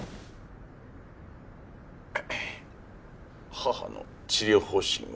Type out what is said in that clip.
母の治療方針は。